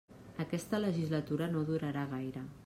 Aquesta legislatura no durarà gaire.